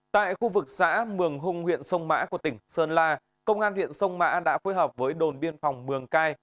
tại khu vực xã mường hung huyện sông mã của tỉnh sơn la công an huyện sông mã đã phối hợp với đồn biên phòng mường cai